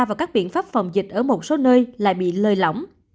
và các biện pháp phòng dịch ở một số nơi lại bị lơi lỏng